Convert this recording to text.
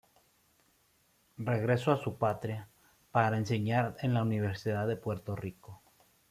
Regreso a su patria, para enseñar en la Universidad de Puerto Rico.